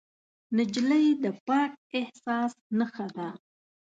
نجلۍ د پاک احساس نښه ده.